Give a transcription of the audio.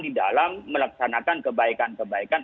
di dalam melaksanakan kebaikan kebaikan